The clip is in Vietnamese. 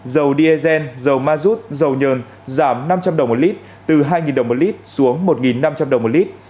dầu diesel dầu ma rút dầu nhờn giảm năm trăm linh đồng một lít từ hai đồng một lít xuống một năm trăm linh đồng một lít